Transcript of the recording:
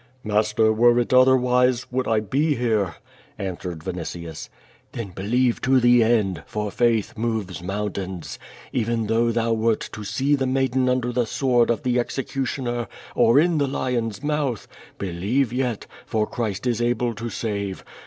'' ''Master, wipQ it otherwise, would I be here?'' answered Vinitius. '*Then believe to the end, for faith moves mountains. Even though thou wert to see the maiden under the sword of the executioner or in the lioji's mouth, believe yet, for Christ is able to save.